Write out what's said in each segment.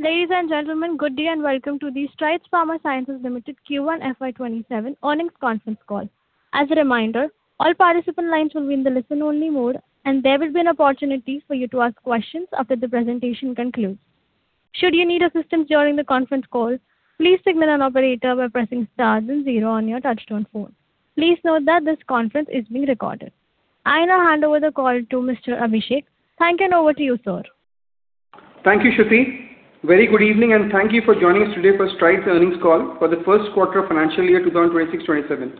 Ladies and gentlemen, good day and welcome to the Strides Pharma Science Limited Q1 FY 2027 earnings conference call. As a reminder, all participant lines will be in the listen-only mode, and there will be an opportunity for you to ask questions after the presentation concludes. Should you need assistance during the conference call, please signal an operator by pressing star then zero on your touch-tone phone. Please note that this conference is being recorded. I now hand over the call to Mr. Abhishek. Thank you, and over to you, sir. Thank you, Shruti. Very good evening, and thank you for joining us today for Strides earnings call for the first quarter of financial year 2026/2027.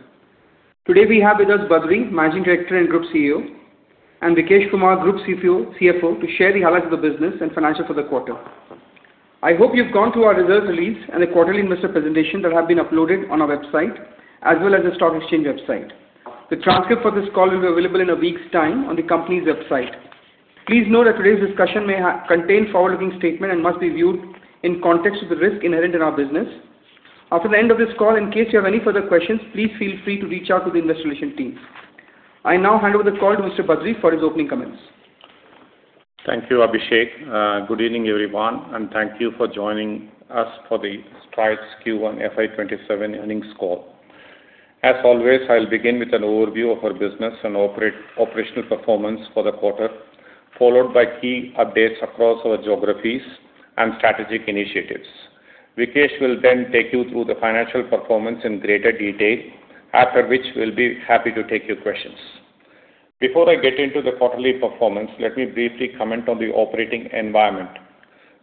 Today we have with us Badree, Managing Director and Group CEO, and Vikesh Kumar, Group CFO, to share the highlights of the business and financial for the quarter. I hope you've gone through our results release and the quarterly investor presentation that have been uploaded on our website, as well as the stock exchange website. The transcript for this call will be available in a week's time on the company's website. Please note that today's discussion may contain forward-looking statements and must be viewed in context with the risk inherent in our business. After the end of this call, in case you have any further questions, please feel free to reach out to the investor relations team. I now hand over the call to Mr. Badree for his opening comments. Thank you, Abhishek. Good evening, everyone, and thank you for joining us for the Strides Q1 FY 2027 earnings call. As always, I'll begin with an overview of our business and operational performance for the quarter, followed by key updates across our geographies and strategic initiatives. Vikesh will then take you through the financial performance in greater detail, after which we'll be happy to take your questions. Before I get into the quarterly performance, let me briefly comment on the operating environment.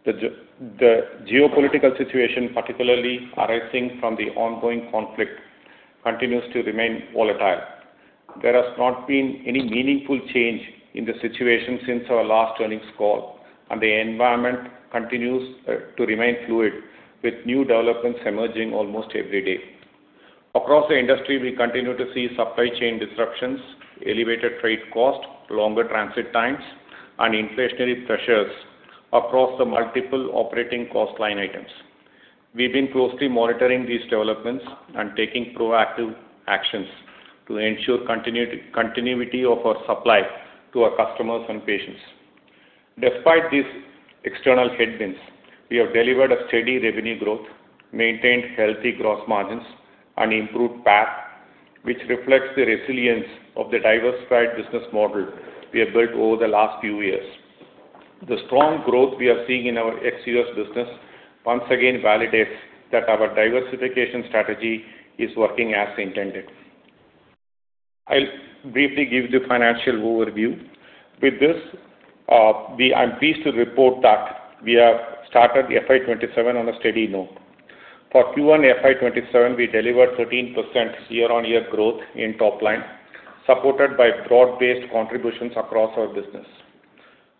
The geopolitical situation, particularly arising from the ongoing conflict, continues to remain volatile. There has not been any meaningful change in the situation since our last earnings call, and the environment continues to remain fluid, with new developments emerging almost every day. Across the industry, we continue to see supply chain disruptions, elevated trade costs, longer transit times, and inflationary pressures across the multiple operating cost line items. We've been closely monitoring these developments and taking proactive actions to ensure continuity of our supply to our customers and patients. Despite these external headwinds, we have delivered a steady revenue growth, maintained healthy gross margins and improved PAT, which reflects the resilience of the diversified business model we have built over the last few years. The strong growth we are seeing in our ex-U.S. business once again validates that our diversification strategy is working as intended. I will briefly give the financial overview. With this, I am pleased to report that we have started FY 2027 on a steady note. For Q1 FY 2027, we delivered 13% year-on-year growth in top line, supported by broad-based contributions across our business.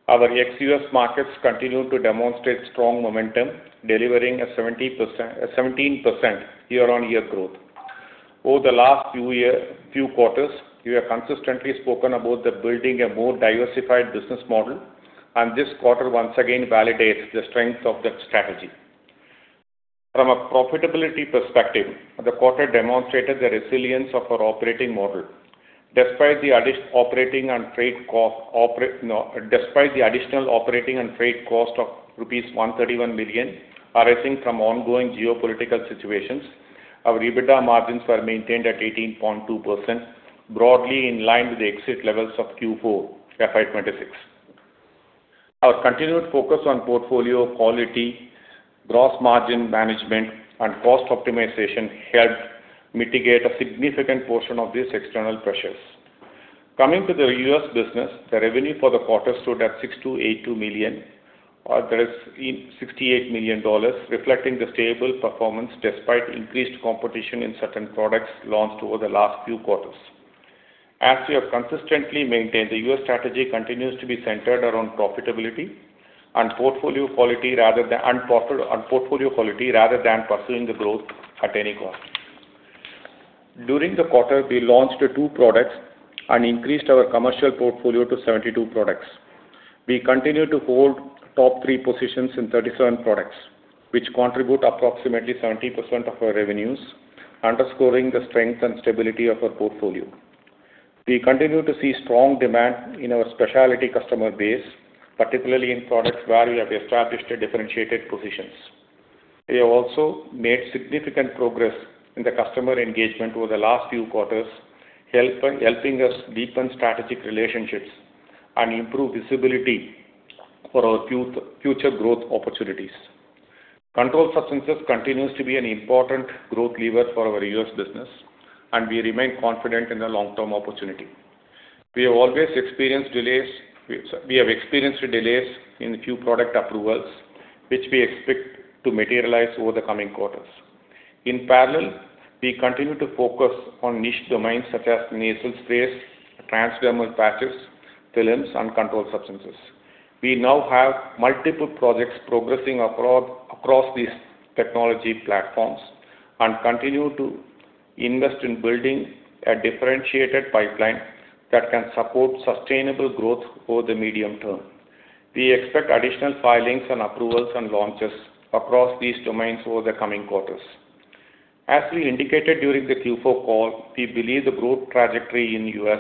Our ex-U.S. markets continue to demonstrate strong momentum, delivering a 17% year-on-year growth. Over the last few quarters, we have consistently spoken about building a more diversified business model. This quarter once again validates the strength of that strategy. From a profitability perspective, the quarter demonstrated the resilience of our operating model. Despite the additional operating and freight cost of rupees 131 million arising from ongoing geopolitical situations, our EBITDA margins were maintained at 18.2%, broadly in line with the exit levels of Q4 FY 2026. Our continued focus on portfolio quality, gross margin management and cost optimization helped mitigate a significant portion of these external pressures. Coming to the U.S. business, the revenue for the quarter stood at 6,282 million, or that is $68 million, reflecting the stable performance despite increased competition in certain products launched over the last few quarters. As we have consistently maintained, the U.S. strategy continues to be centered around profitability and portfolio quality rather than pursuing the growth at any cost. During the quarter, we launched two products and increased our commercial portfolio to 72 products. We continue to hold top three positions in 37 products, which contribute approximately 70% of our revenues, underscoring the strength and stability of our portfolio. We continue to see strong demand in our specialty customer base, particularly in products where we have established differentiated positions. We have also made significant progress in the customer engagement over the last few quarters, helping us deepen strategic relationships and improve visibility for our future growth opportunities. Controlled substances continues to be an important growth lever for our U.S. business. We remain confident in the long-term opportunity. We have experienced delays in a few product approvals, which we expect to materialize over the coming quarters. In parallel, we continue to focus on niche domains such as nasal sprays, transdermal patches, films, and controlled substances. We now have multiple projects progressing across these technology platforms and continue to invest in building a differentiated pipeline that can support sustainable growth over the medium term. We expect additional filings and approvals and launches across these domains over the coming quarters. As we indicated during the Q4 call, we believe the growth trajectory in the U.S.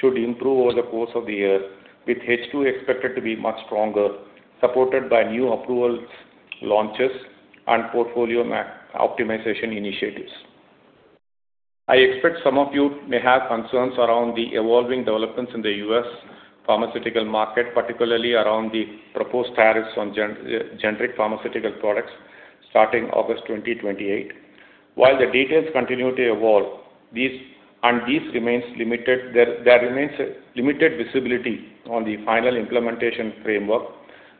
should improve over the course of the year, with H2 expected to be much stronger, supported by new approvals, launches, and portfolio optimization initiatives. I expect some of you may have concerns around the evolving developments in the U.S. pharmaceutical market, particularly around the proposed tariffs on generic pharmaceutical products starting August 2028. While the details continue to evolve, there remains limited visibility on the final implementation framework,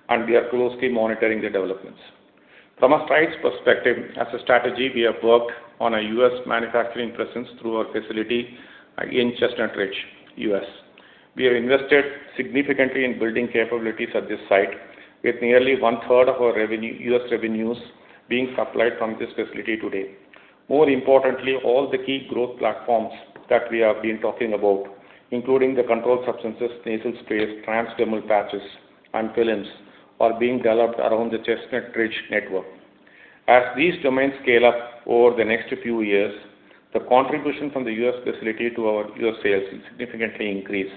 and we are closely monitoring the developments. From a Strides perspective, as a strategy, we have worked on a U.S. manufacturing presence through our facility in Chestnut Ridge, U.S. We have invested significantly in building capabilities at this site, with nearly 1/3 of our U.S. revenues being supplied from this facility today. More importantly, all the key growth platforms that we have been talking about, including the controlled substances, nasal sprays, transdermal patches, and films, are being developed around the Chestnut Ridge network. As these domains scale up over the next few years, the contribution from the U.S. facility to our U.S. sales will significantly increase,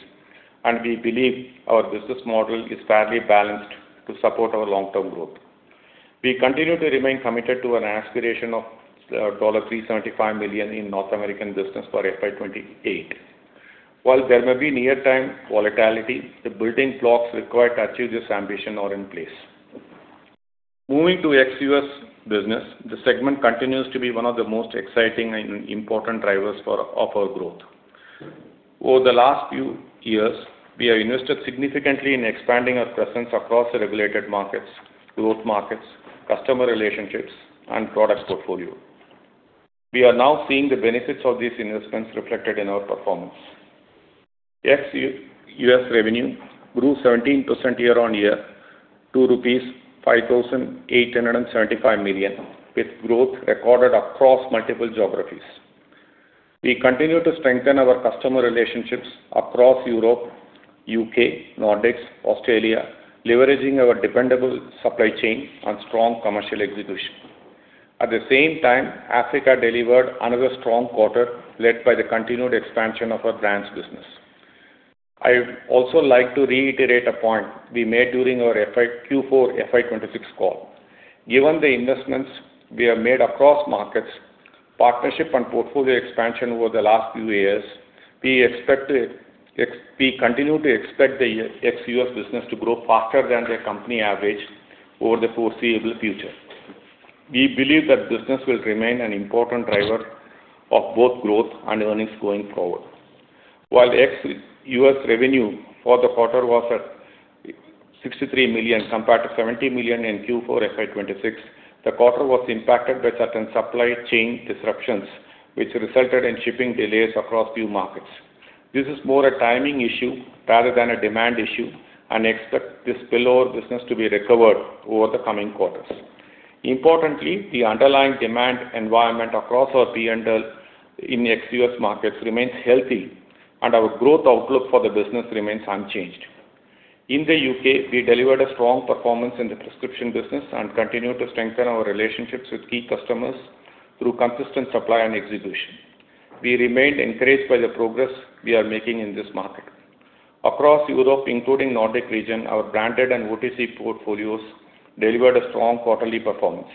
and we believe our business model is fairly balanced to support our long-term growth. We continue to remain committed to an aspiration of $375 million in North American business for FY 2028. While there may be near-term volatility, the building blocks required to achieve this ambition are in place. Moving to ex-U.S. business, the segment continues to be one of the most exciting and important drivers of our growth. Over the last few years, we have invested significantly in expanding our presence across the regulated markets, growth markets, customer relationships, and product portfolio. We are now seeing the benefits of these investments reflected in our performance. Ex-U.S. revenue grew 17% year-on-year to rupees 5,875 million, with growth recorded across multiple geographies. We continue to strengthen our customer relationships across Europe, U.K., Nordics, Australia, leveraging our dependable supply chain and strong commercial execution. At the same time, Africa delivered another strong quarter, led by the continued expansion of our brands business. I'd also like to reiterate a point we made during our Q4 FY 2026 call. Given the investments we have made across markets, partnership, and portfolio expansion over the last few years, we continue to expect the ex-U.S. business to grow faster than the company average over the foreseeable future. We believe that business will remain an important driver of both growth and earnings going forward. While ex-U.S. revenue for the quarter was at $63 million compared to $70 million in Q4 FY 2026, the quarter was impacted by certain supply chain disruptions, which resulted in shipping delays across few markets. This is more a timing issue rather than a demand issue, and expect this below business to be recovered over the coming quarters. Importantly, the underlying demand environment across our P&L in ex-U.S. markets remains healthy, and our growth outlook for the business remains unchanged. In the U.K., we delivered a strong performance in the prescription business and continue to strengthen our relationships with key customers through consistent supply and execution. We remain encouraged by the progress we are making in this market. Across Europe, including Nordic region, our branded and OTC portfolios delivered a strong quarterly performance.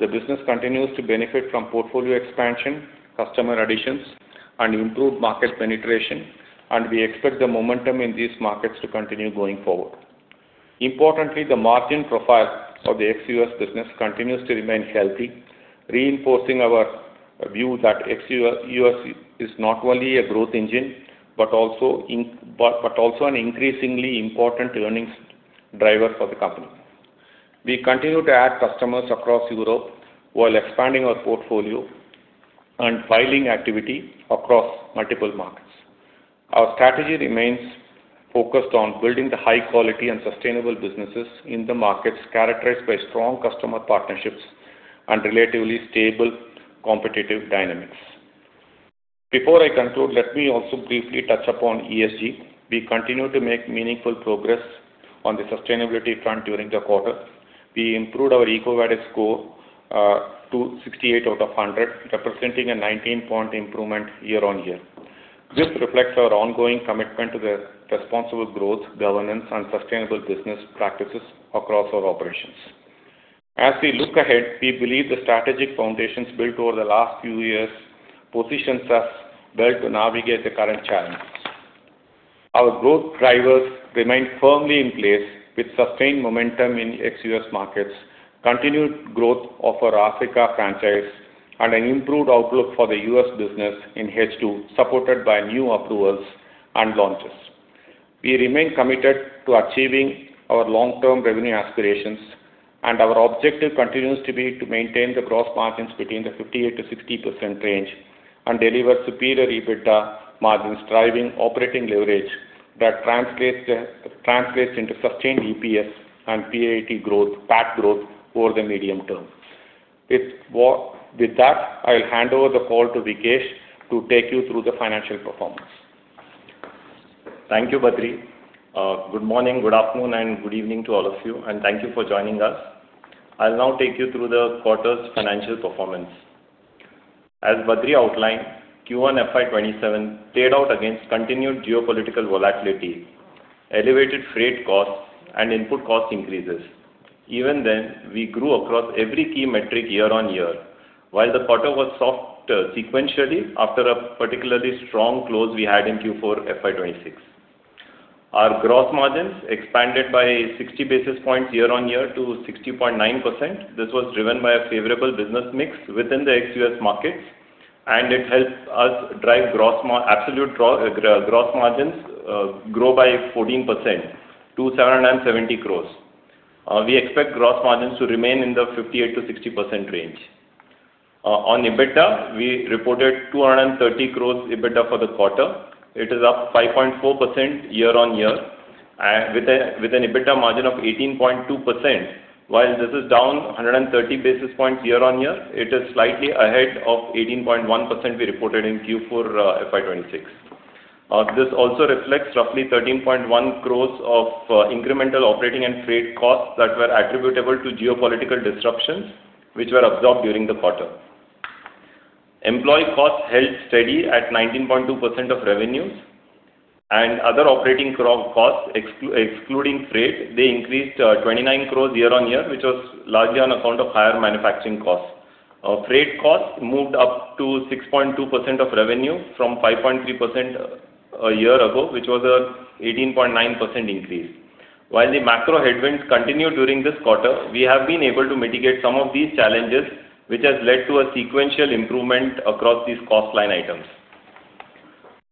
The business continues to benefit from portfolio expansion, customer additions, and improved market penetration, and we expect the momentum in these markets to continue going forward. Importantly, the margin profile of the ex-U.S. business continues to remain healthy, reinforcing our view that ex-U.S. is not only a growth engine but also an increasingly important earnings driver for the company. We continue to add customers across Europe while expanding our portfolio and filing activity across multiple markets. Our strategy remains focused on building the high quality and sustainable businesses in the markets characterized by strong customer partnerships and relatively stable competitive dynamics. Before I conclude, let me also briefly touch upon ESG. We continue to make meaningful progress on the sustainability front during the quarter. We improved our EcoVadis score to 68 out of 100, representing a 19-point improvement year-on-year. This reflects our ongoing commitment to the responsible growth, governance, and sustainable business practices across our operations. As we look ahead, we believe the strategic foundations built over the last few years positions us well to navigate the current challenges. Our growth drivers remain firmly in place with sustained momentum in ex-U.S. markets, continued growth of our Africa franchise, and an improved outlook for the U.S. business in H2, supported by new approvals and launches. We remain committed to achieving our long-term revenue aspirations, and our objective continues to be to maintain the gross margins between the 58%-60% range and deliver superior EBITDA margins, driving operating leverage that translates into sustained EPS and PAT growth over the medium term. With that, I'll hand over the call to Vikesh to take you through the financial performance. Thank you, Badree. Good morning, good afternoon, and good evening to all of you, and thank you for joining us. I'll now take you through the quarter's financial performance. As Badree outlined, Q1 FY 2027 played out against continued geopolitical volatility, elevated freight costs, and input cost increases. Even then, we grew across every key metric year-on-year, while the quarter was soft sequentially after a particularly strong close we had in Q4 FY 2026. Our gross margins expanded by 60 basis points year-on-year to 60.9%. This was driven by a favorable business mix within the ex-U.S. markets, and it helped us drive absolute gross margins grow by 14% to 770 crores. We expect gross margins to remain in the 58%-60% range. On EBITDA, we reported 230 crores EBITDA for the quarter. It is up 5.4% year-on-year with an EBITDA margin of 18.2%. While this is down 130 basis points year-on-year, it is slightly ahead of 18.1% we reported in Q4 FY 2026. This also reflects roughly 13.1 crores of incremental operating and freight costs that were attributable to geopolitical disruptions, which were absorbed during the quarter. Employee costs held steady at 19.2% of revenues and other operating costs, excluding freight, they increased 29 crores year-on-year, which was largely on account of higher manufacturing costs. Freight costs moved up to 6.2% of revenue from 5.3% a year ago, which was a 18.9% increase. While the macro headwinds continued during this quarter, we have been able to mitigate some of these challenges, which has led to a sequential improvement across these cost line items.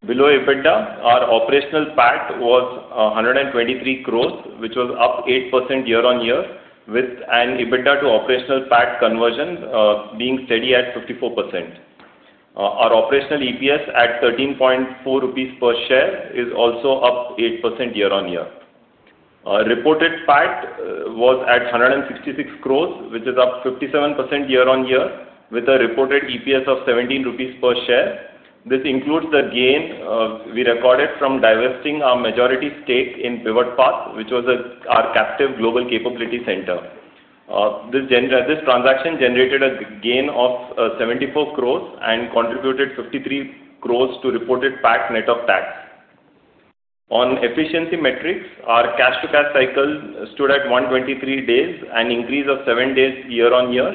Below EBITDA, our operational PAT was 123 crores, which was up 8% year-on-year with an EBITDA to operational PAT conversion being steady at 54%. Our operational EPS at 13.4 rupees per share is also up 8% year-on-year. Reported PAT was at 166 crores, which is up 57% year-on-year with a reported EPS of 17 rupees per share. This includes the gain we recorded from divesting our majority stake in Pivot Path, which was our captive global capability center. This transaction generated a gain of 74 crores and contributed 53 crores to reported PAT net of tax. On efficiency metrics, our cash to cash cycle stood at 123 days, an increase of seven days year-on-year.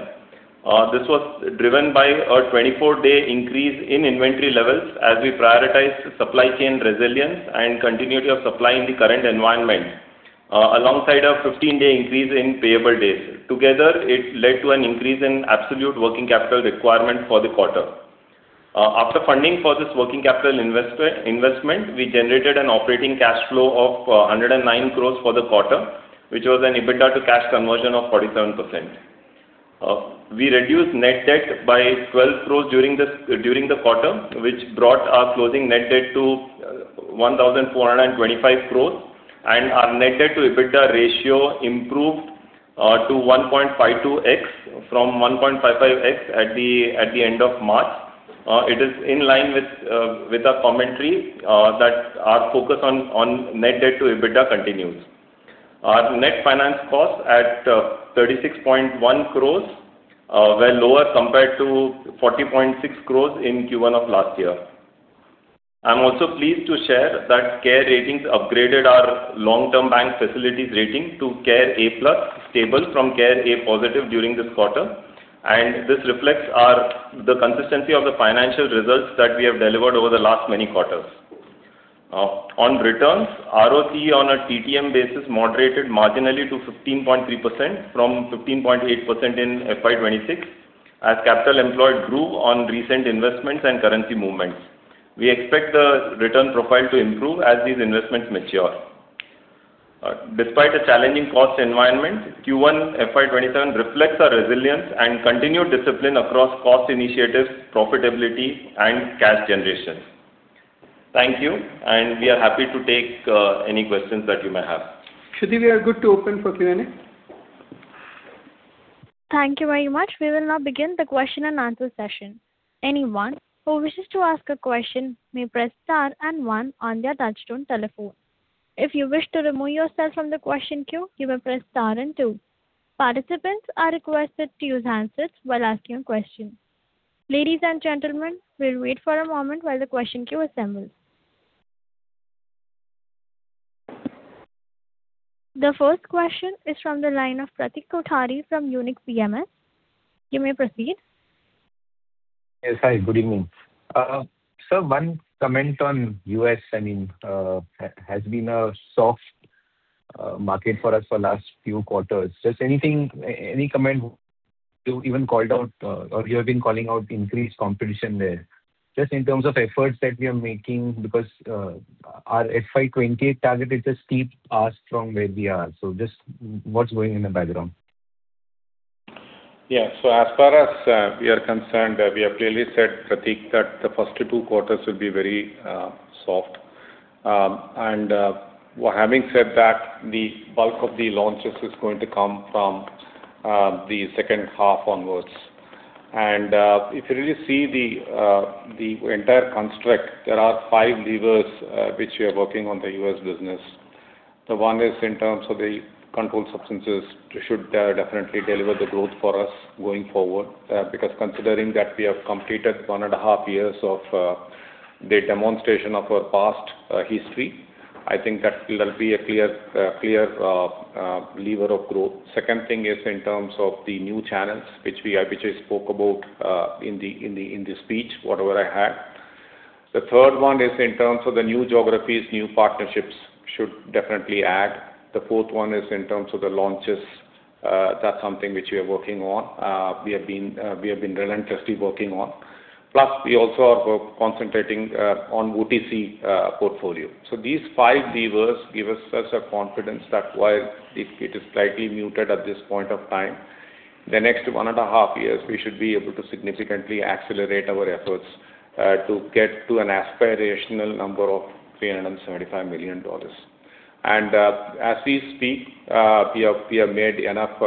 This was driven by a 24-day increase in inventory levels as we prioritize supply chain resilience and continuity of supply in the current environment, alongside a 15-day increase in payable days. Together, it led to an increase in absolute working capital requirement for the quarter. After funding for this working capital investment, we generated an operating cash flow of 109 crores for the quarter, which was an EBITDA to cash conversion of 47%. We reduced net debt by 12 crores during the quarter, which brought our closing net debt to 1,425 crores and our net debt to EBITDA ratio improved to 1.52x from 1.55x at the end of March. It is in line with our commentary that our focus on net debt to EBITDA continues. Our net finance costs at 36.1 crores were lower compared to 40.6 crores in Q1 of last year. I am also pleased to share that CARE Ratings upgraded our long-term bank facilities rating to CARE A+ Stable from CARE A Positive during this quarter. This reflects the consistency of the financial results that we have delivered over the last many quarters. On returns, ROC on a TTM basis moderated marginally to 15.3% from 15.8% in FY 2026 as capital employed grew on recent investments and currency movements. We expect the return profile to improve as these investments mature. Despite a challenging cost environment, Q1 FY 2027 reflects our resilience and continued discipline across cost initiatives, profitability and cash generation. Thank you. We are happy to take any questions that you may have. Shruti, we are good to open for Q&A. Thank you very much. We will now begin the question-and-answer session. Anyone who wishes to ask a question may press star and one on their touchtone telephone. If you wish to remove yourself from the question queue, you may press star and two. Participants are requested to use answers while asking questions. Ladies and gentlemen, we'll wait for a moment while the question queue assembles. The first question is from the line of Pratik Kothari from Unique PMS. You may proceed. Yes. Hi, good evening. Sir, one comment on U.S., has been a soft market for us for last few quarters. Any comment, you even called out or you have been calling out increased competition there. In terms of efforts that we are making because our FY 2028 target is a steep ask from where we are. What's going in the background? As far as we are concerned, we have clearly said, Pratik, that the first two quarters will be very soft. Having said that, the bulk of the launches is going to come from the second half onwards. If you really see the entire construct, there are five levers which we are working on the U.S. business. One is in terms of the controlled substances, should definitely deliver the growth for us going forward. Because considering that we have completed one and a half years of the demonstration of our past history, I think that will be a clear lever of growth. Second thing is in terms of the new channels, which I spoke about in the speech, whatever I had. The third one is in terms of the new geographies, new partnerships should definitely add. The fourth one is in terms of the launches. That's something which we are working on, we have been relentlessly working on. Plus, we also are concentrating on OTC portfolio. These five levers give us such a confidence that while it is slightly muted at this point of time, the next one and a half years, we should be able to significantly accelerate our efforts to get to an aspirational number of $375 million. As we speak, we have made enough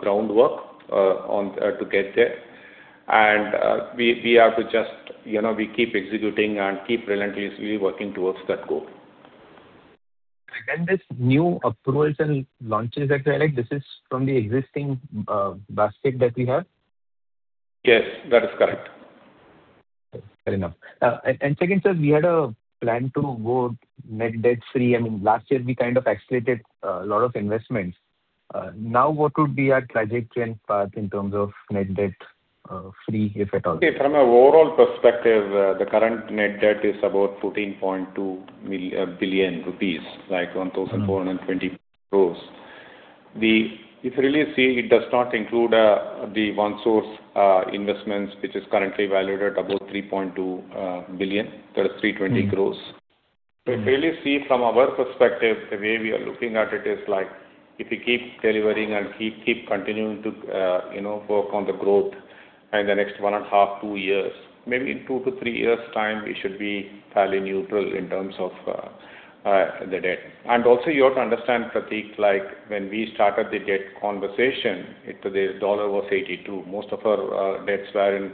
groundwork to get there, and we keep executing and keep relentlessly working towards that goal. This new approvals and launches that you added, this is from the existing basket that we have? Yes, that is correct. Fair enough. Second, sir, we had a plan to go net debt free. Last year we kind of accelerated a lot of investments. Now what would be our trajectory and path in terms of net debt free, if at all? From an overall perspective, the current net debt is about 14.2 billion rupees, like 1,420 crores. If you really see, it does not include the OneSource investments, which is currently valued at about 3.2 billion, that is 320 crores. If you really see from our perspective, the way we are looking at it is, if we keep delivering and keep continuing to work on the growth in the next one and half, two years, maybe in two to three years' time, we should be fairly neutral in terms of the debt. Also you have to understand, Pratik, when we started the debt conversation, the dollar was 82. Most of our debts were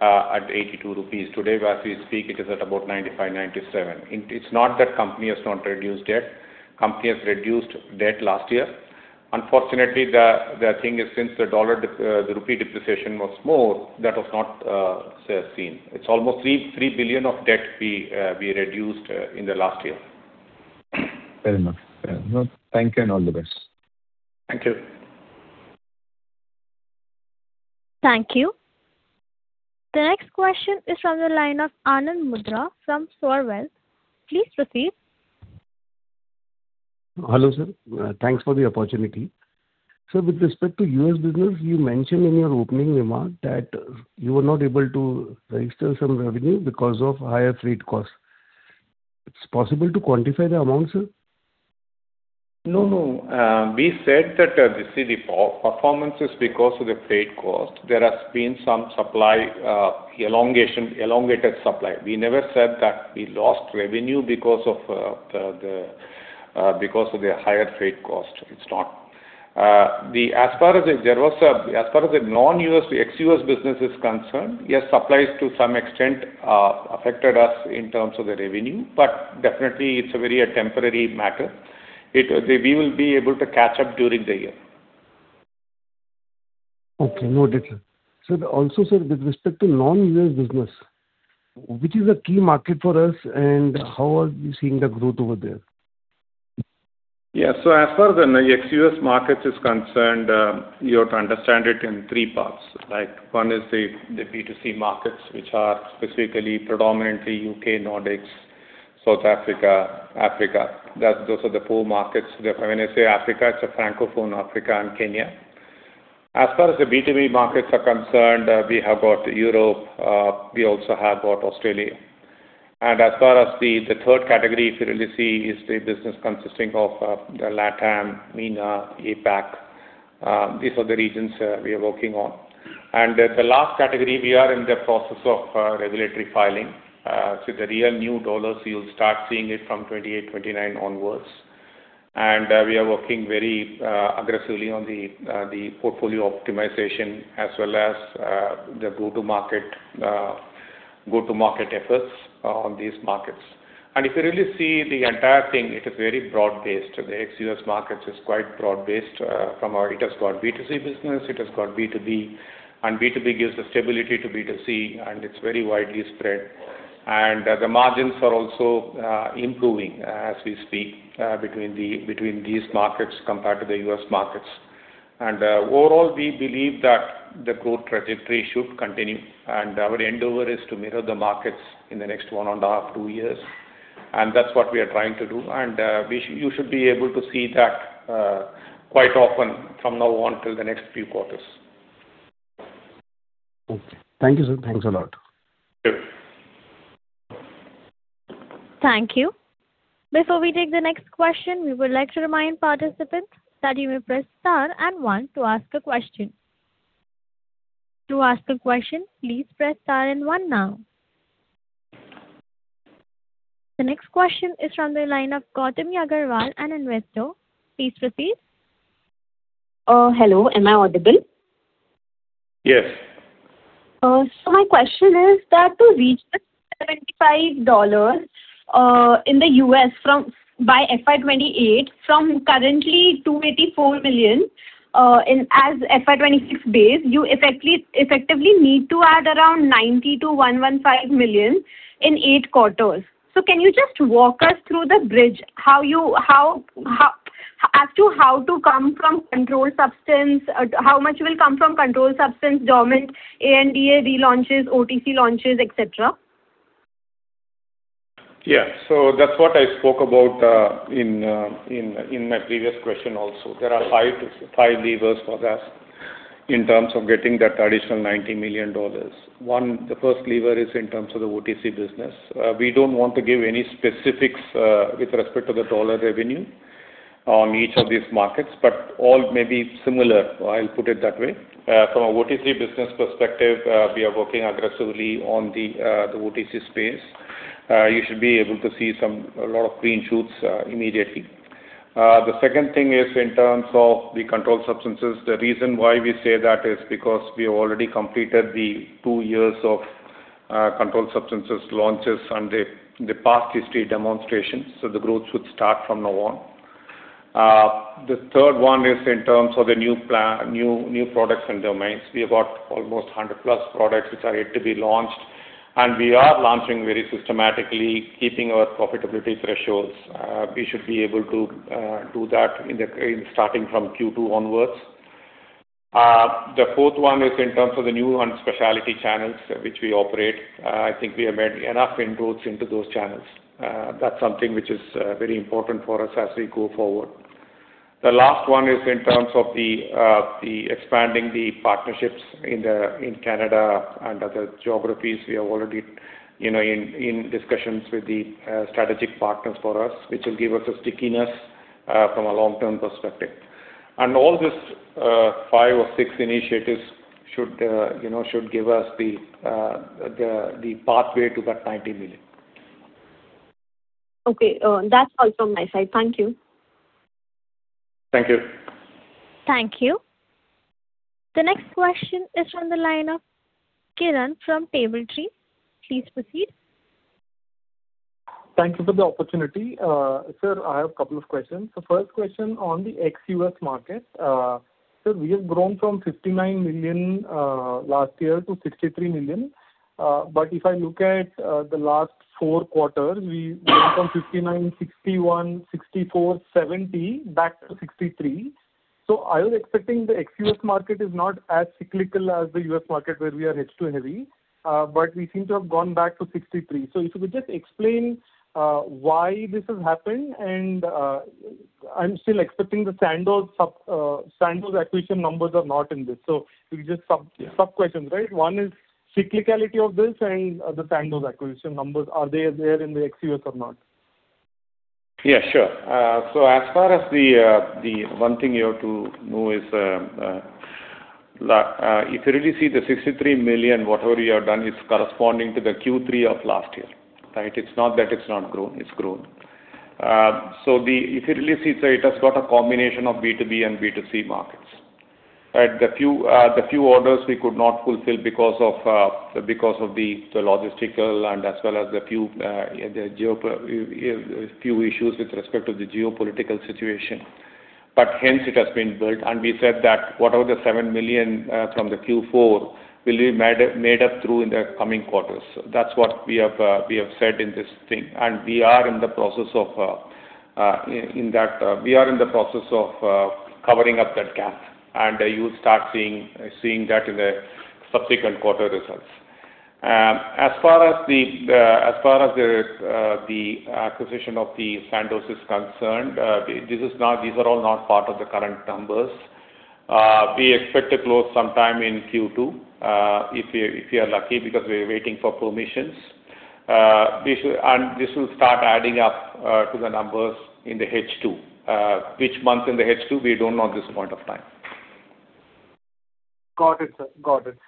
at 82 rupees. Today, as we speak, it is at about 95, 97. It's not that company has not reduced debt. Company has reduced debt last year. Unfortunately, the thing is, since the INR depreciation was more, that was not seen. It's almost 3 billion of debt we reduced in the last year. Fair enough. Thank you and all the best. Thank you. Thank you. The next question is from the line of Anand Mundra from SOAR Wealth. Please proceed. Hello, sir. Thanks for the opportunity. Sir, with respect to U.S. business, you mentioned in your opening remark that you were not able to register some revenue because of higher freight cost. It's possible to quantify the amount, sir? No. We said that the performances because of the freight cost, there has been some elongated supply. We never said that we lost revenue because of the higher freight cost. It's not. As far as the ex-U.S. business is concerned, yes, supplies to some extent affected us in terms of the revenue, but definitely it's a very temporary matter. We will be able to catch up during the year. Okay. Noted, sir. Sir, also, with respect to non-U.S. business, which is the key market for us and how are you seeing the growth over there? Yeah. As far the ex-U.S. market is concerned, you have to understand it in three parts. One is the B2C markets, which are specifically predominantly U.K., Nordics, South Africa, Africa. Those are the four markets. When I say Africa, it's Francophone Africa and Kenya. As far as the B2B markets are concerned, we have got Europe, we also have got Australia. As far as the third category, if you really see, is the business consisting of the LATAM, MENA, APAC. These are the regions we are working on. The last category, we are in the process of regulatory filing. The real new dollars, you'll start seeing it from 2028, 2029 onwards. We are working very aggressively on the portfolio optimization as well as the go-to-market efforts on these markets. If you really see the entire thing, it is very broad-based. The ex-U.S. markets is quite broad-based. It has got B2C business, it has got B2B gives the stability to B2C, it's very widely spread. The margins are also improving as we speak between these markets compared to the U.S. markets. Overall, we believe that the growth trajectory should continue, our endeavor is to mirror the markets in the next one and a half, two years. That's what we are trying to do, you should be able to see that quite often from now on till the next few quarters. Okay. Thank you, sir. Thanks a lot. Sure. Thank you. Before we take the next question, we would like to remind participants that you may press star and one to ask a question. To ask a question, please press star and one now. The next question is from the line of Gautami Aggarwal, an Investor. Please proceed. Hello, am I audible? Yes. My question is that to reach this $375 million in the U.S. by FY 2028 from currently $284 million as FY 2026 base, you effectively need to add around $90 million-$115 million in eight quarters. Can you just walk us through the bridge as to how much will come from controlled substance, dormant, ANDA relaunches, OTC launches, et cetera? That's what I spoke about in my previous question also. There are five levers for that in terms of getting that additional $90 million. The first lever is in terms of the OTC business. We don't want to give any specifics with respect to the dollar revenue on each of these markets, but all may be similar, I'll put it that way. From an OTC business perspective, we are working aggressively on the OTC space. You should be able to see a lot of green shoots immediately. The second thing is in terms of the controlled substances. The reason why we say that is because we have already completed the two years of controlled substances launches and the past history demonstrations. The growth should start from now on. The third one is in terms of the new products and domains. We have got almost 100+ products which are yet to be launched, and we are launching very systematically, keeping our profitability thresholds. We should be able to do that starting from Q2 onwards. The fourth one is in terms of the new and specialty channels which we operate. I think we have made enough inroads into those channels. That's something which is very important for us as we go forward. The last one is in terms of expanding the partnerships in Canada and other geographies. We are already in discussions with the strategic partners for us, which will give us a stickiness from a long-term perspective. All these five or six initiatives should give us the pathway to that $90 million. That's all from my side. Thank you. Thank you. Thank you. The next question is from the line of Kiran from TableTree. Please proceed. Thank you for the opportunity. Sir, I have a couple of questions. The first question on the ex-U.S. market. Sir, we have grown from $59 million last year to $63 million. If I look at the last four quarters, we went from $59, $61, $64, $70 back to $63. I was expecting the ex-U.S. market is not as cyclical as the U.S. market where we are H2-heavy. We seem to have gone back to $63. If you could just explain why this has happened, and I am still expecting the Sandoz acquisition numbers are not in this. If you could just, sub-questions. One is cyclicality of this, and the Sandoz acquisition numbers, are they there in the ex-U.S. or not? Yeah, sure. As far as the one thing you have to know is, if you really see the $63 million, whatever you have done is corresponding to the Q3 of last year, right? It is not that it is not grown. It is grown. If you really see, it has got a combination of B2B and B2C markets, right? The few orders we could not fulfill because of the logistical and as well as the few issues with respect to the geopolitical situation. Hence it has been built, and we said that whatever the $7 million from the Q4 will be made up through in the coming quarters. That is what we have said in this thing. We are in the process of covering up that gap. You will start seeing that in the subsequent quarter results. As far as the acquisition of Sandoz is concerned, these are all not part of the current numbers. We expect to close sometime in Q2, if we are lucky, because we are waiting for permissions. This will start adding up to the numbers in the H2. Which month in the H2, we don't know at this point of time. Got it, sir. Got it.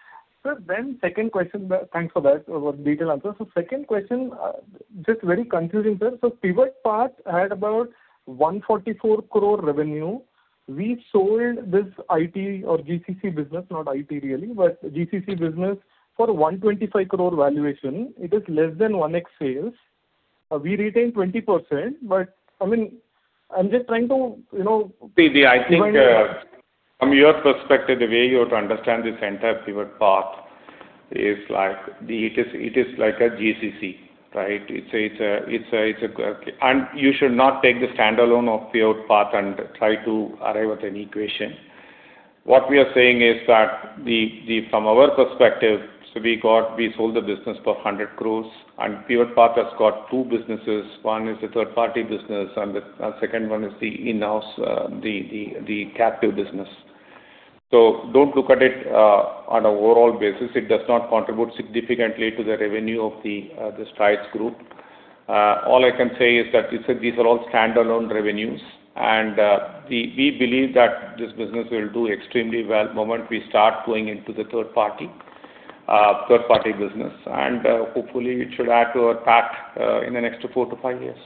Sir, second question. Thanks for that, for the detailed answer. Second question, just very confusing, sir. Pivot Path had about 144 crore revenue. We sold this IT or GCC business, not IT really, but GCC business for 125 crore valuation. It is less than 1x sales. We retain 20%, but I mean, I'm just trying to- I think from your perspective, the way you have to understand this entire Pivot Path, it is like a GCC, right? You should not take the standalone of Pivot Path and try to arrive at an equation. What we are saying is that from our perspective, we sold the business for 100 crore, and Pivot Path has got two businesses. One is the third-party business, and the second one is the in-house, the captive business. Don't look at it on overall basis. It does not contribute significantly to the revenue of the Strides group. All I can say is that these are all standalone revenues, and we believe that this business will do extremely well moment we start going into the third-party business, and hopefully it should add to our PAT in the next four to five years.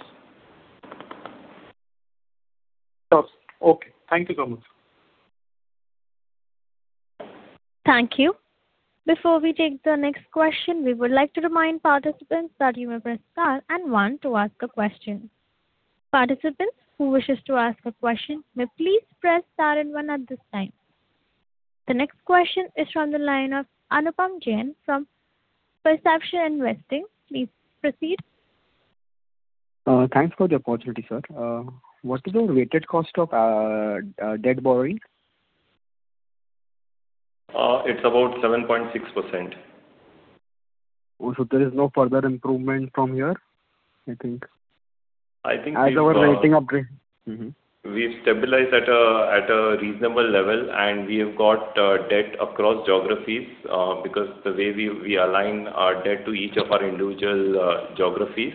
Okay. Thank you so much. Thank you. Before we take the next question, we would like to remind participants that you may press star and one to ask a question. Participants who wish to ask a question may please press star and one at this time. The next question is from the line of [Anupam Jain from [Perception Investing]. Please proceed. Thanks for the opportunity, sir. What is the weighted cost of debt borrowing? It's about 7.6%. There is no further improvement from here, I think. I think we've. As our rating upgrade. Mm-hmm. We've stabilized at a reasonable level, and we have got debt across geographies because of the way we align our debt to each of our individual geographies.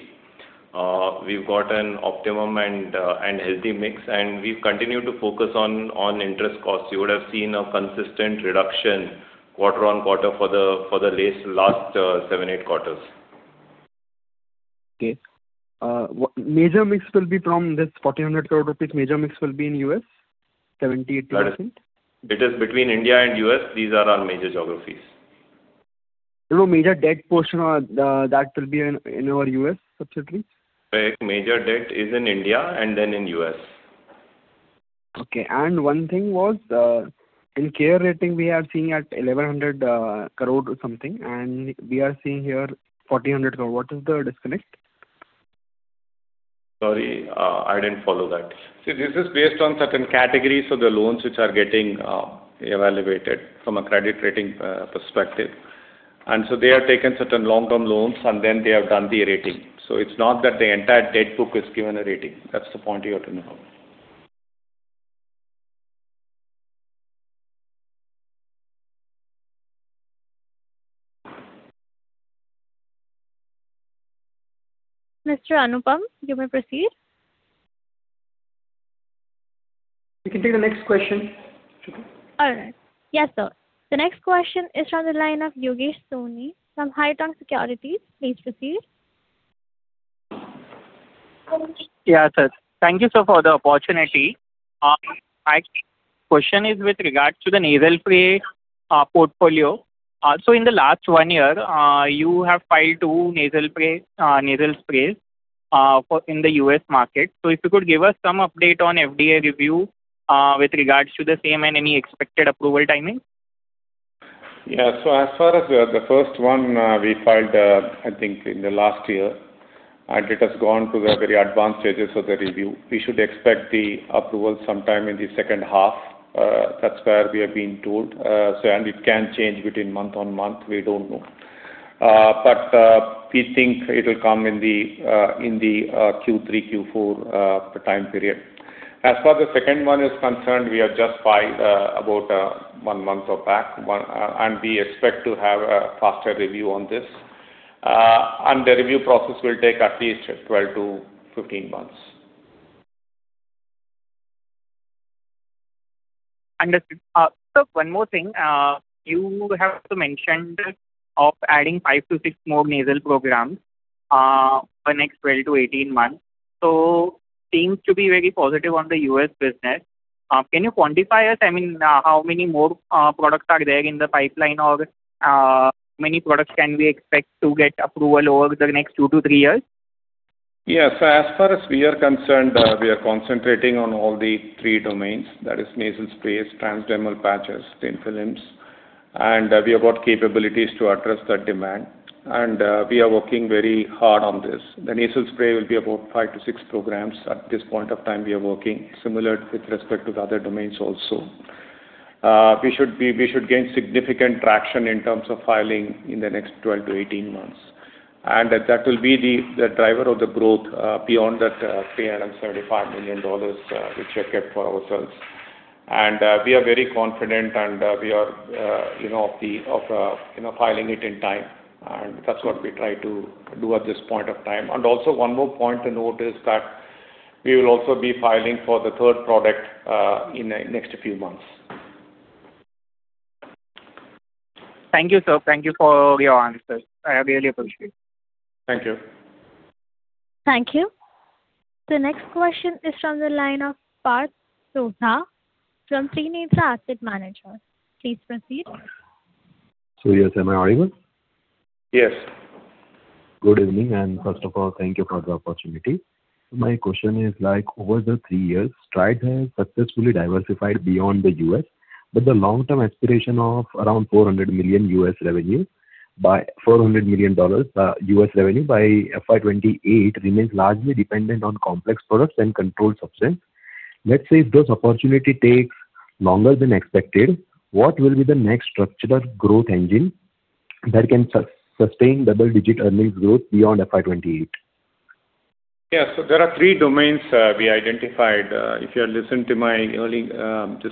We've got an optimum and healthy mix, and we've continued to focus on interest costs. You would have seen a consistent reduction quarter-on-quarter for the last seven, eight quarters. Okay. Major mix will be from this INR 4,000 crore, major mix will be in U.S., 70%-80%? It is between India and U.S. These are our major geographies. Major debt portion, that will be in our U.S. subsequently? Major debt is in India and then in U.S. Okay. One thing was, in CARE Ratings, we are seeing at 1,100 crore or something, and we are seeing here 4,000 crore. What is the disconnect? Sorry, I didn't follow that. See, this is based on certain categories of the loans which are getting evaluated from a credit rating perspective. They have taken certain long-term loans, and then they have done the rating. It's not that the entire debt book is given a rating. That's the point you have to know. Mr. Anupam, you may proceed. We can take the next question. All right. Yes, sir. The next question is from the line of Yogesh Soni from Haitong Securities. Please proceed. Yeah, sir. Thank you, sir, for the opportunity. My question is with regard to the nasal spray portfolio. In the last one year, you have filed two nasal sprays in the U.S. market. If you could give us some update on FDA review with regards to the same and any expected approval timing. Yeah. As far as the first one we filed, I think in the last year. It has gone to the very advanced stages of the review. We should expect the approval sometime in the second half. That's where we have been told, and it can change between month on month, we don't know. We think it will come in the Q3, Q4 time period. As far as the second one is concerned, we have just filed about one month back, and we expect to have a faster review on this. The review process will take at least 12-15 months. Understood. Sir, one more thing. You have mentioned of adding five to six more nasal programs for next 12-18 months. Seems to be very positive on the U.S. business. Can you quantify as, how many more products are there in the pipeline, or how many products can we expect to get approval over the next two to three years? Yeah. As far as we are concerned, we are concentrating on all the three domains. That is nasal sprays, transdermal patches, thin films. We have got capabilities to address that demand. We are working very hard on this. The nasal spray will be about five to six programs at this point of time we are working, similar with respect to the other domains also. We should gain significant traction in terms of filing in the next 12-18 months. That will be the driver of the growth beyond that $375 million which we have kept for ourselves. We are very confident, and we are filing it in time, and that's what we try to do at this point of time. Also one more point to note is that we will also be filing for the third product in the next few months. Thank you, sir. Thank you for your answers. I really appreciate it. Thank you. Thank you. The next question is from the line of Parth Sodha from Trinetra Asset Managers. Please proceed. Yes, am I audible? Yes. Good evening. First of all, thank you for the opportunity. My question is, over the three years, Strides has successfully diversified beyond the U.S. The long-term aspiration of around $400 million U.S. revenue by FY 2028 remains largely dependent on complex products and controlled substances. Let's say if this opportunity takes longer than expected, what will be the next structural growth engine that can sustain double-digit earnings growth beyond FY 2028? There are three domains we identified. If you have listened to my earlier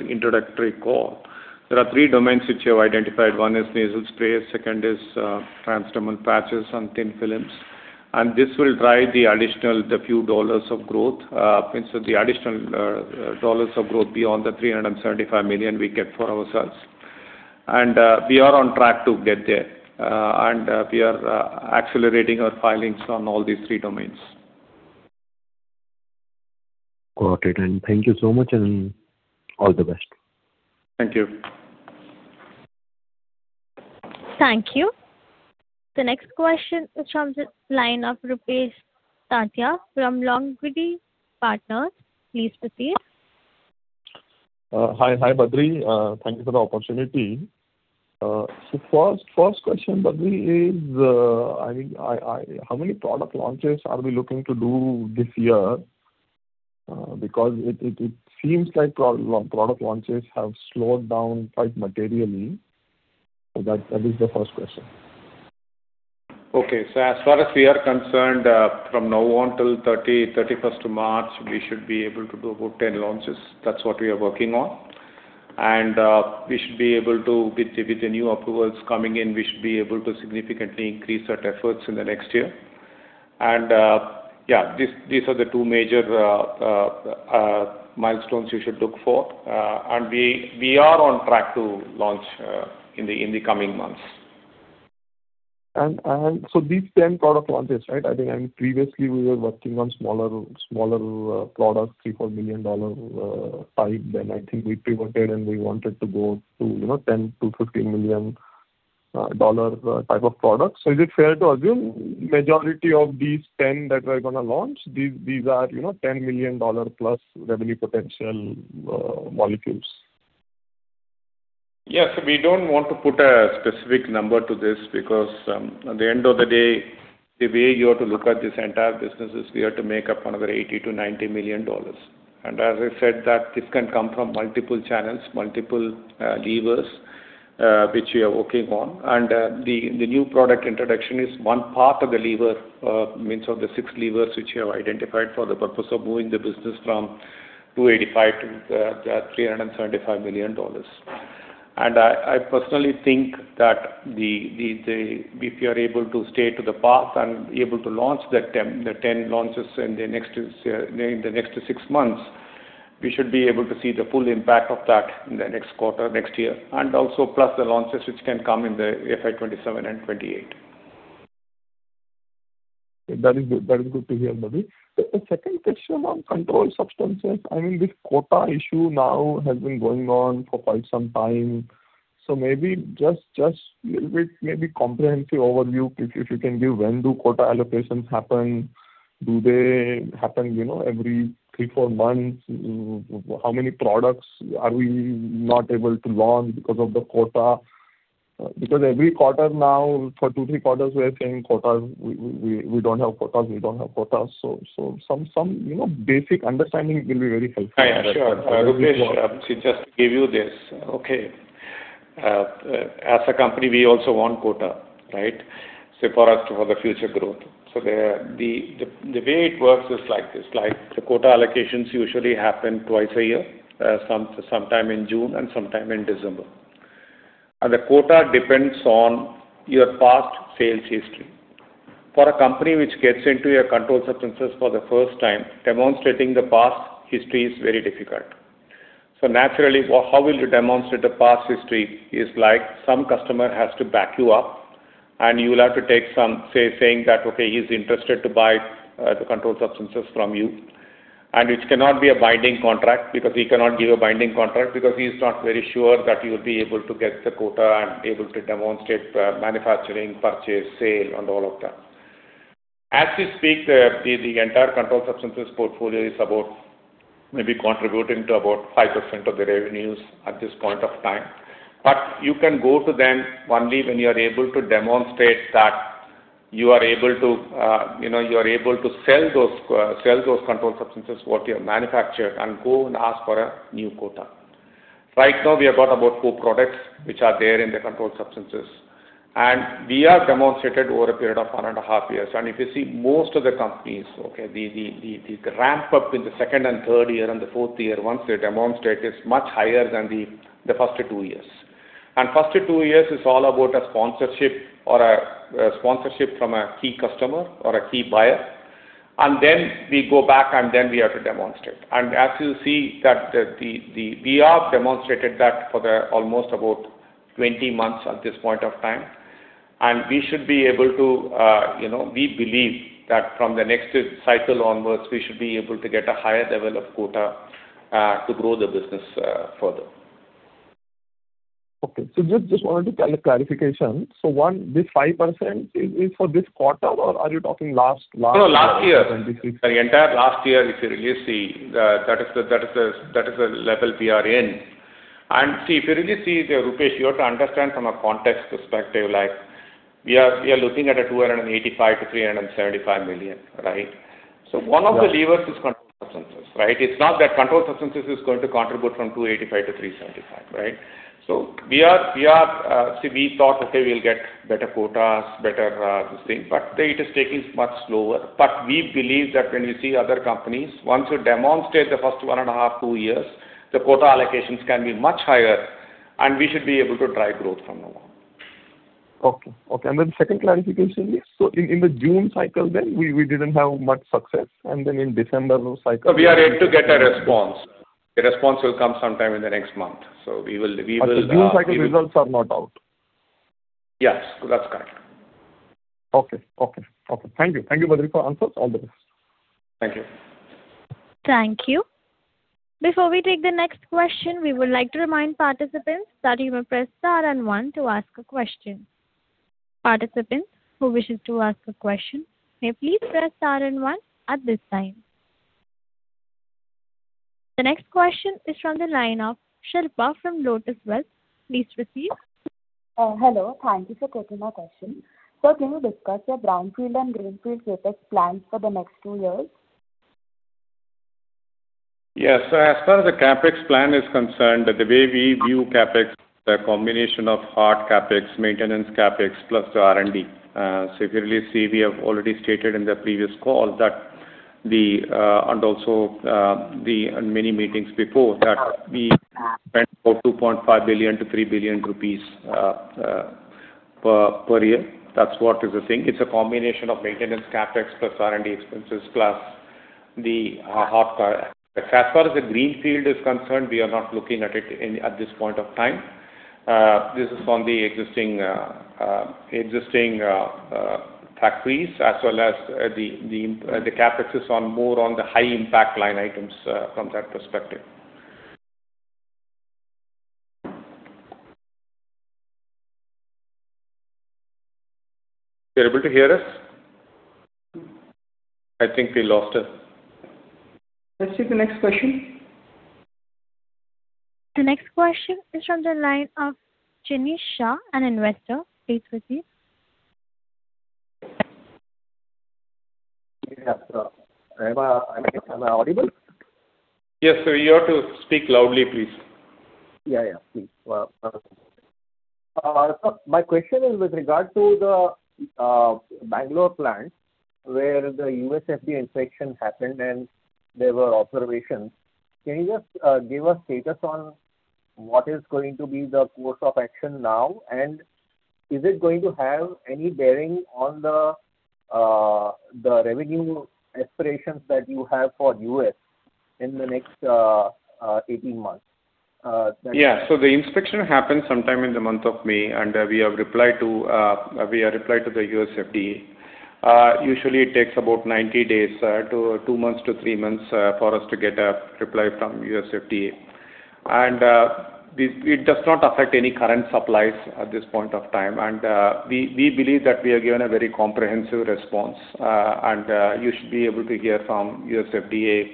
introductory call, there are three domains which we have identified. One is nasal sprays, second is transdermal patches and thin films. This will drive the additional few dollars of growth. The additional dollars of growth beyond the $375 million we get for ourselves. We are on track to get there, and we are accelerating our filings on all these three domains. Got it. Thank you so much, and all the best. Thank you. Thank you. The next question is from the line of Rupesh Tatiya from Longvati Partners. Please proceed. Hi, Badree. Thank you for the opportunity. First question, Badree, is, how many product launches are we looking to do this year? Because it seems like product launches have slowed down quite materially. That is the first question. Okay. As far as we are concerned, from now on till 30, 31st of March, we should be able to do about 10 launches. That's what we are working on. With the new approvals coming in, we should be able to significantly increase our efforts in the next year. These are the two major milestones you should look for. We are on track to launch in the coming months. These 10 product launches, right? I think previously we were working on smaller products, 3 million, INR 4 million type. I think we pivoted, and we wanted to go to INR 10 million-INR 15 million type of products. Is it fair to assume majority of these 10 that we're going to launch, these are INR 10 million plus revenue potential molecules? Yes. We do not want to put a specific number to this because at the end of the day, the way you have to look at this entire business is we have to make up another INR 80 million-INR 90 million. As I said that this can come from multiple channels, multiple levers, which we are working on. The new product introduction is one part of the lever, means of the six levers which you have identified for the purpose of moving the business from 285 million to INR 375 million. I personally think that if you are able to stay to the path and able to launch the 10 launches in the next six months, we should be able to see the full impact of that in the next quarter, next year. Also plus the launches which can come in the FY 2027 and FY 2028. That is good to hear, Badree. The second question on controlled substances. This quota issue now has been going on for quite some time. Maybe just a little bit, maybe comprehensive overview, if you can give when do quota allocations happen? Do they happen every three, four months? How many products are we not able to launch because of the quota? Every quarter now for two, three quarters, we are saying, "We do not have quotas. We do not have quotas." Some basic understanding will be very helpful. Yeah, sure. Rupesh, to just give you this. As a company, we also want quota, right? For us, for the future growth. The way it works is like this. The quota allocations usually happen twice a year, sometime in June and sometime in December. The quota depends on your past sales history. For a company which gets into your controlled substances for the first time, demonstrating the past history is very difficult. Naturally, how will you demonstrate the past history is like some customer has to back you up, and you will have to take some, say, saying that, okay, he is interested to buy the controlled substances from you, and which cannot be a binding contract because he cannot give a binding contract because he is not very sure that he will be able to get the quota and able to demonstrate manufacturing, purchase, sale, and all of that. As we speak, the entire controlled substances portfolio is about maybe contributing to about 5% of the revenues at this point of time. You can go to them only when you are able to demonstrate that you are able to sell those controlled substances, what you have manufactured, and go and ask for a new quota. We have got about four products which are there in the controlled substances, and we have demonstrated over a period of one and a half years. If you see most of the companies, the ramp-up in the second and third year and the fourth year, once they demonstrate, is much higher than the first two years. First two years is all about a sponsorship from a key customer or a key buyer. Then we go back, and then we have to demonstrate. As you see, we have demonstrated that for almost about 20 months at this point of time. We believe that from the next cycle onwards, we should be able to get a higher level of quota to grow the business further. Okay. Just wanted clarification. One, this 5% is for this quarter, or are you talking last year? No, last year. The entire last year, if you really see, that is the level we are in. And see, if you really see, Rupesh, you have to understand from a context perspective, like we are looking at a 285 million-375 million, right? One of the levers is controlled substances, right? It's not that controlled substances is going to contribute from 285 million to 375 million, right? See, we thought, okay, we'll get better quotas, better this thing. It is taking much slower. We believe that when you see other companies, once you demonstrate the first one and a half, two years, the quota allocations can be much higher. We should be able to drive growth from now on. Okay. Then second clarification is, in the June cycle then, we didn't have much success, and then in December cycle. We are yet to get a response. The response will come sometime in the next month. We will. The June cycle results are not out. Yes. That's correct. Thank you. Thank you, Badree, for answers. All the best. Thank you. Thank you. Before we take the next question, we would like to remind participants that you may press star and one to ask a question. Participants who wishes to ask a question may please press star and one at this time. The next question is from the line of Shilpa from Lotus Wealth. Please proceed. Hello. Thank you, sir, for taking my question. Sir, can you discuss your brownfield and greenfield CapEx plans for the next two years? Yes. As far as the CapEx plan is concerned, the way we view CapEx, the combination of hard CapEx, maintenance CapEx, plus the R&D. If you really see, we have already stated in the previous call, and also in many meetings before, that we spend about 2.5 billion-3 billion rupees per year. That's what is the thing. It's a combination of maintenance CapEx plus R&D expenses plus the hard CapEx. As far as the greenfield is concerned, we are not looking at it at this point of time. This is from the existing factories as well as the CapEx is more on the high-impact line items from that perspective. You're able to hear us? I think we lost it. Let's take the next question. The next question is from the line of Jinesh Shah, an investor. Please proceed. Yeah. Am I audible? Yes, sir. You have to speak loudly, please. Yeah. Sir, my question is with regard to the Bangalore plant, where the USFDA inspection happened and there were observations. Can you just give a status on what is going to be the course of action now, and is it going to have any bearing on the revenue aspirations that you have for U.S. in the next 18 months? Yeah. The inspection happened sometime in the month of May, and we have replied to the USFDA. Usually, it takes about 90 days, two months to three months, for us to get a reply from USFDA. It does not affect any current supplies at this point of time. We believe that we have given a very comprehensive response, and you should be able to hear from USFDA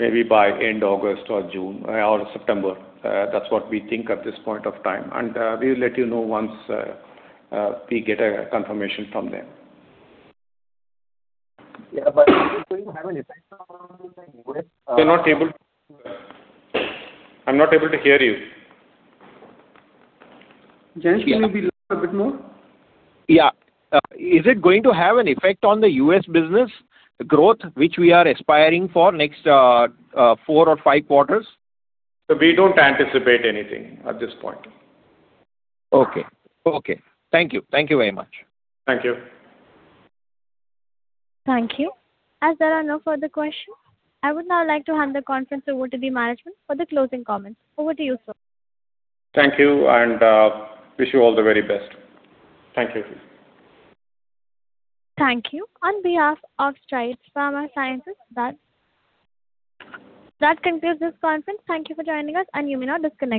maybe by end August or September. That's what we think at this point of time, and we will let you know once we get a confirmation from them. Yeah, does it have an effect on the U.S.- I'm not able to hear you. Jinesh, can you be loud a bit more? Yeah. Is it going to have an effect on the U.S. business growth, which we are aspiring for next four or five quarters? We don't anticipate anything at this point. Okay. Thank you. Thank you very much. Thank you. Thank you. As there are no further questions, I would now like to hand the conference over to the management for the closing comments. Over to you, sir. Thank you, and wish you all the very best. Thank you. Thank you. On behalf of Strides Pharma Science, that concludes this conference. Thank you for joining us. You may now disconnect your phone.